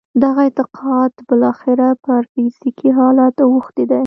دغه اعتقاد بالاخره پر فزیکي حالت اوښتی دی